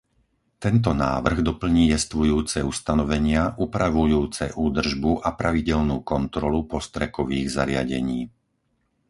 Tento návrh doplní jestvujúce ustanovenia upravujúce údržbu a pravidelnú kontrolu postrekových zariadení.